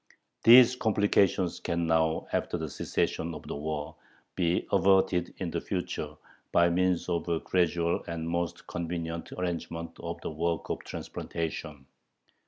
These complications can now, after the cessation of the war, be averted in the future by means of a gradual and most convenient arrangement of the work of transplantation....